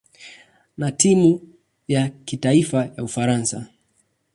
na timu ya kitaifa ya Ufaransa.